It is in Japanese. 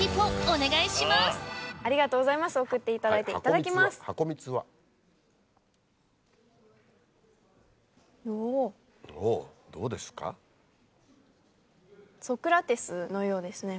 おどうですか？